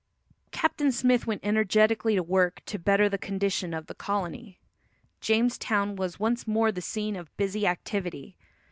Captain Smith went energetically to work to better the condition of the colony. Jamestown was once more the scene of busy activity.